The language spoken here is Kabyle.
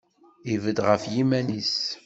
Ibedd ɣef yiman-is.